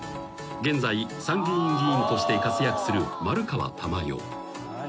［現在参議院議員として活躍する丸川珠代］